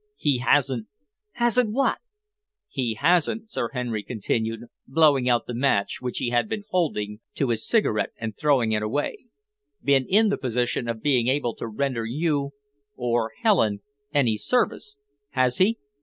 He hasn't " "Hasn't what?" "He hasn't," Sir Henry continued, blowing out the match which he had been holding to his cigarette and throwing it away, "been in the position of being able to render you or Helen any service, has he?"